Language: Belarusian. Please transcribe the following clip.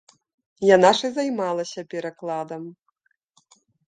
Яна ж і займалася перакладам.